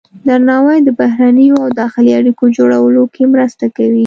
درناوی د بهرنیو او داخلي اړیکو جوړولو کې مرسته کوي.